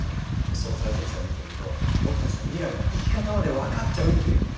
その最前線を見てみると僕たちの未来の生き方まで分かっちゃうっていうね。